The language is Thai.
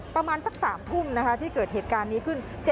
ประมาณสัก๓ทุ่มที่เกิดเหตุการณ์นี้ขึ้น